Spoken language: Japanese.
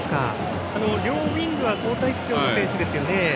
両ウイングは交代出場の選手ですよね。